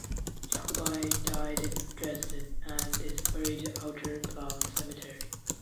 Jacobi died in Dresden and is buried Outer Plauen Cemetery.